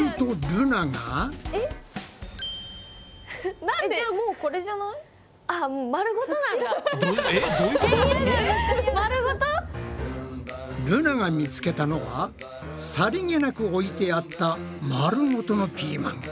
ルナが見つけたのはさりげなく置いてあった丸ごとのピーマン。